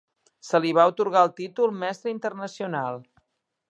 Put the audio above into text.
Se li va atorgar el títol Mestre Internacional.